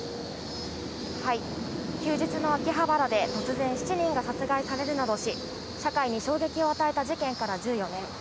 休日の秋葉原で突然７人が殺害されるなどし、社会に衝撃を与えた事件から１４年。